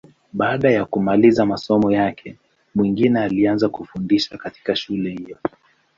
Baada ya kumaliza masomo yake, Mwingine akaanza kufundisha katika shule hiyo.